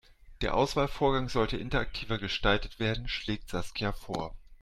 Der Auswahlvorgang sollte interaktiver gestaltet werden, schlägt Saskia vor.